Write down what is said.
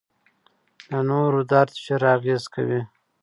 د نورو درد ژر اغېز کوي.